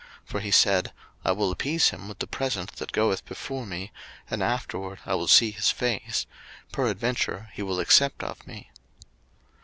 For he said, I will appease him with the present that goeth before me, and afterward I will see his face; peradventure he will accept of me.